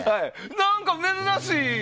何か珍しい。